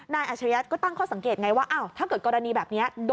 อาชริยะก็ตั้งข้อสังเกตไงว่าถ้าเกิดกรณีแบบนี้